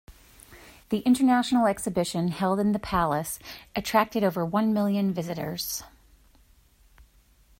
The International Exhibition held in the Palace attracted over one million visitors.